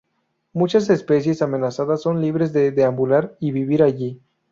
Muchas especies amenazadas son libres de deambular y vivir allí.